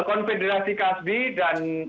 konfederasi kasbi dan